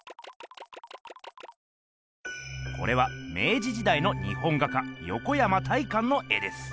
これは明治時代の日本画家横山大観の絵です。